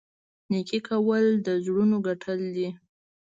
نیکي کول د زړونو ګټل دي.